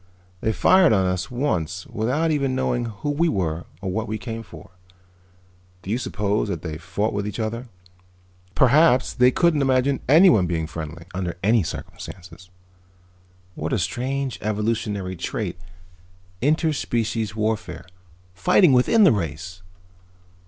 They fired on us once without even knowing who we were or what we came for. Do you suppose that they fought with each other? Perhaps they couldn't imagine anyone being friendly, under any circumstances. What a strange evolutionary trait, inter species warfare. Fighting within the race!"